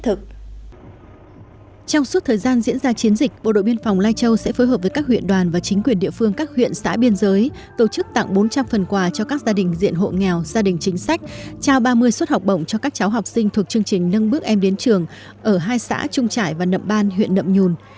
trong suốt thời gian diễn ra chiến dịch bộ đội biên phòng lai châu sẽ phối hợp với các huyện đoàn và chính quyền địa phương các huyện xã biên giới tổ chức tặng bốn trăm linh phần quà cho các gia đình diện hộ nghèo gia đình chính sách trao ba mươi suất học bổng cho các cháu học sinh thuộc chương trình nâng bước em đến trường ở hai xã trung trải và nậm ban huyện nậm nhùn